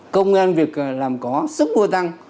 công ngân việc làm có sức mua tăng